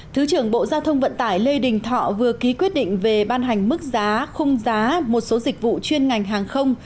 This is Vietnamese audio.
thứ trưởng bộ giao thông vận tải lê đình thọ vừa ký quyết định về ban hành mức giá khung giá một số dịch vụ chuyên ngành hàng không